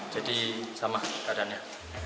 jadi sama keadaannya